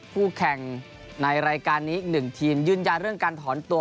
ผู้แข่งในรายการนี้๑ทีมยืนยาเรื่องการถอนตัว